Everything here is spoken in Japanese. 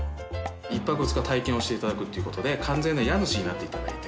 １泊２日体験をして頂くという事で完全な家主になって頂いて。